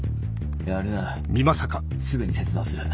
やるなすぐに切断する。